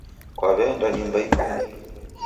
Kwaw'eenda nyumba ikumi?